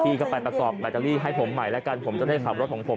พี่ก็ไปประกอบแบตเตอรี่ให้ผมใหม่แล้วกันผมจะได้ขับรถของผม